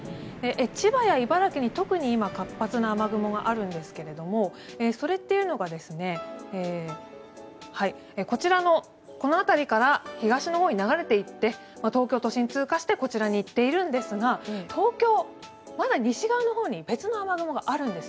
千葉や茨城に特に今活発な雨雲があるんですけどもそれというのがこちらのこの辺りから東のほうに流れていって東京都心を通過してこちらに行っているんですが東京、まだ西側のほうに別の雨雲があるんです。